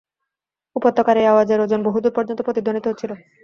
উপত্যকার এই আওয়াজের ওজন বহু দূর পর্যন্ত প্রতিধ্বনিত হচ্ছিল।